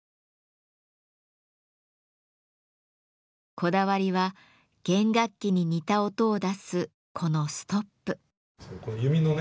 こだわりは弦楽器に似た音を出すこの「ストップ」。